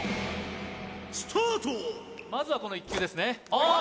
まずはこの１球ですねあっ